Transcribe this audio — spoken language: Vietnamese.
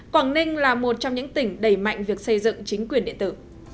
quảng ninh là một trong những tỉnh đẩy mạnh việc xây dựng chính quyền điện tử